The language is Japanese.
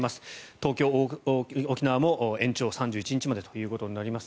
東京、沖縄も延長３１日までということになります。